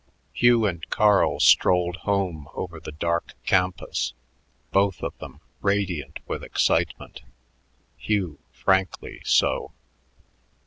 Hugh and Carl strolled home over the dark campus, both of them radiant with excitement, Hugh frankly so.